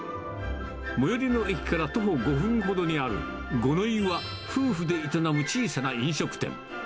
最寄りの駅から徒歩５分ほどにある五ノ井は夫婦で営む小さな飲食店。